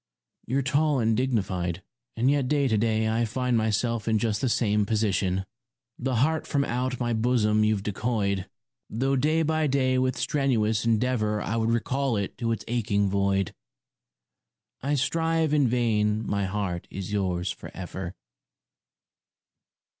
You're tall and dignified, and yet to day I find myself in just the same position. The heart from out my bosom you've decoyed, Though day by day with strenuous endeavour I would recall it to its aching void. I strive in vain my heart is yours for ever.